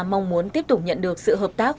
mong muốn tiếp tục nhận được sự hợp tác